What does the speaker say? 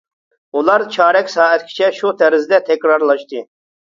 ئۇلار چارەك سائەتكىچە شۇ تەرزدە تەكرارلاشتى.